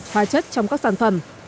hóa chất trong các sản phẩm